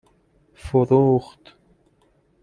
فروخت